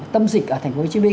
tâm dịch ở tp hcm